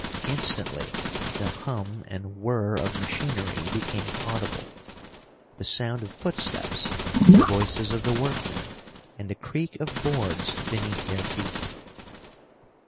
Instantly the hum and whir of machinery became audible, the sound of footsteps, the voices of the workmen, and the creak of boards beneath their feet.